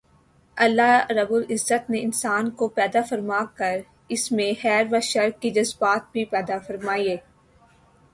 اللہ رب العزت نے انسان کو پیدا فرما کر اس میں خیر و شر کے جذبات بھی پیدا فرمائے